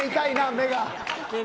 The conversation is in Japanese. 目が。